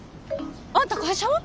あんた会社は？